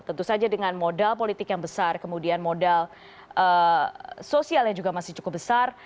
tentu saja dengan modal politik yang besar kemudian modal sosial yang juga masih cukup besar